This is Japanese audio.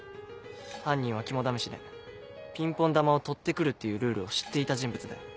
犯人は肝試しでピンポン球を取って来るっていうルールを知っていた人物だよ。